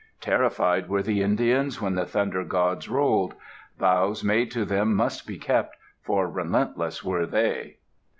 Terrified were the Indians when the Thunder Gods rolled. Vows made to them must be kept, for relentless were they.